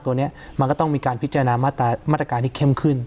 ตัวนี้มันก็ต้องมีการพิจารณามาตรการที่เข้มขึ้น